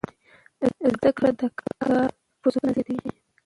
زده کړه د کار فرصتونه زیاتوي.